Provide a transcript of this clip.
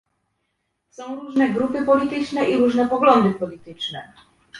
Są różne grupy polityczne i różne poglądy polityczne